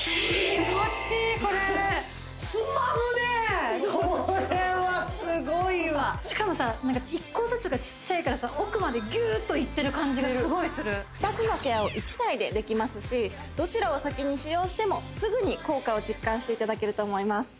これはすごいわしかもさ１個ずつがちっちゃいからさ奥までギュッといってる感じがすごいする２つのケアを１台でできますしどちらを先に使用してもすぐに効果を実感していただけると思います